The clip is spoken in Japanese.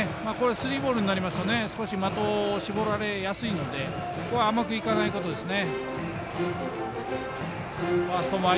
スリーボールになりますと少し的を絞られやすいので甘くいかないことですね。